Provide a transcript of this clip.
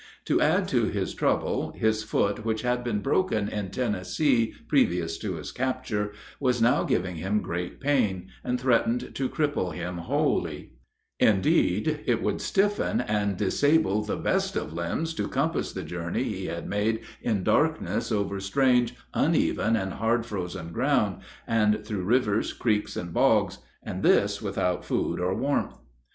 To add to his trouble, his foot, which had been broken in Tennessee previous to his capture, was now giving him great pain, and threatened to cripple him wholly; indeed, it would stiffen and disable the best of limbs to compass the journey he had made in darkness over strange, uneven, and hard frozen ground, and through rivers, creeks, and bogs, and this without food or warmth.